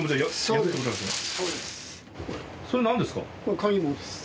それなんですか？